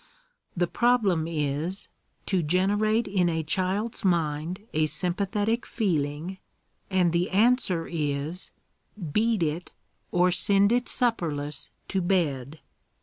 The problem is — to generate 'in a child's mind a sympathetic feeling; and the answer is — beat it, or send it supperless to bed